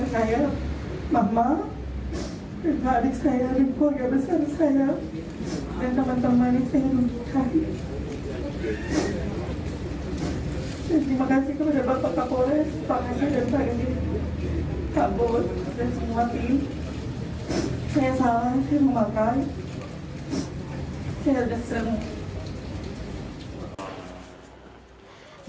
saya terima kasih kepada bapak polres pak masih dan pak edi pak bud dan semua tim saya salah saya mau makan saya agak serem